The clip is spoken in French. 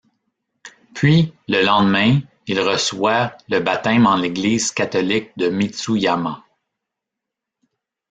Puis, le lendemain, il reçoit le baptême en l'église catholique de Mitsuyama.